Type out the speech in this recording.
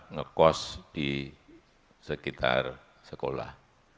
ngekos di sekitar sekolah